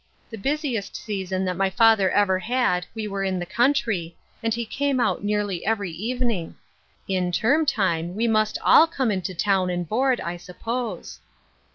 The busiest season that my father ever had we were in the country, and he came out nearly every evening. In term time we must all come into town and board, I suppose."